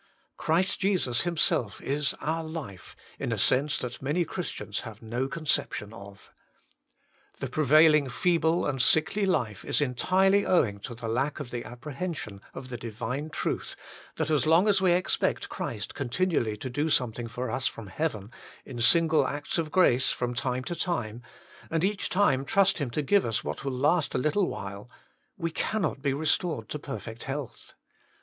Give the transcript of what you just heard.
Christ Jesus Himself is our life, in a sense that many Christians have no conception of. The prevailing feeble and sickly life is entirely owing to the lack of the appre WILT THOU BE MADE WHOLE? 97 hension of the Divine truth, that as long as we expect Christ continually to do something for us from heaven, in single acts of grace from time to time, and each time trust Him to give us what will last a little while, we cannot be restored to perfect health.